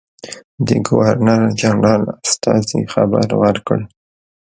د ګورنرجنرال استازي خبر ورکړ.